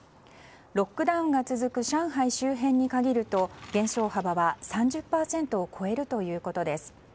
ロックダウンが続く上海周辺に限ると減少幅は３０％を超えるということです。